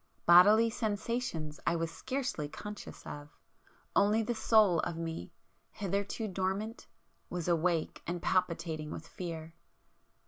Bodily sensations I was scarcely conscious of;—only the Soul of me, hitherto dormant, was awake and palpitating with fear.